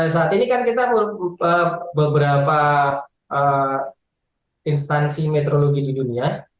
saat ini kan kita beberapa instansi meteorologi di dunia